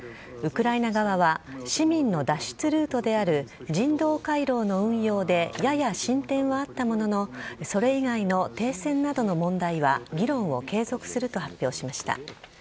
ウクライナ側は、市民の脱出ルートである人道回廊の運用でやや進展はあったものの、それ以外の停戦などの問題は議論を継続すると発表しました。